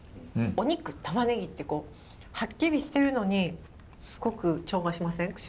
お肉玉ねぎってはっきりしてるのにすごく調和しません？